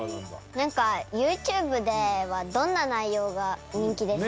なんかＹｏｕＴｕｂｅではどんな内容が人気です？